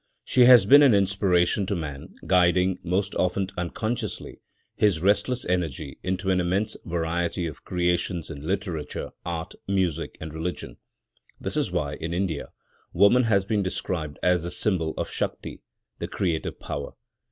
She has been an inspiration to man, guiding, most often unconsciously, his restless energy into an immense variety of creations in literature, art, music and religion. This is why, in India, woman has been described as the symbol of Shakti, the creative power.